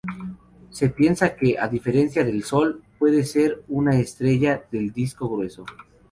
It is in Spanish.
Se piensa que, a diferencia del Sol, puede ser una estrella del disco grueso.